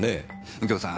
右京さん